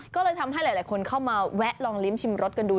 ก็เลยทำให้หลายคนเข้ามาแวะลองลิ้มชิมรสกันดู